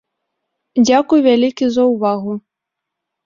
Дзякуй вялікі за ўвагу.